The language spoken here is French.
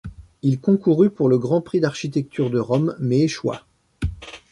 Il concourut pour le grand prix d'architecture de Rome mais échoua.